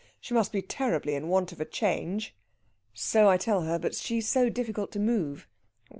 She must be terribly in want of a change." "So I tell her; but she's so difficult to move."